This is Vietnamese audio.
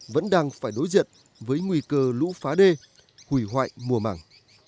vẫn đang phải đối diện với nguy cơ lũ phá đê hủy hoại mùa màng